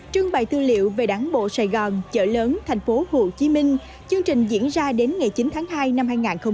trưng bày tư liệu về đảng bộ sài gòn chợ lớn tp hcm chương trình diễn ra đến ngày chín tháng hai năm hai nghìn hai mươi